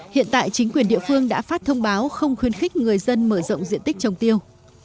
hiện tại chính quyền địa phương đã phát thông báo không khuyến khích người dân mở rộng diện tích trồng tiêu